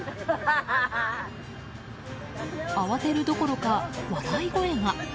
慌てるどころか、笑い声が。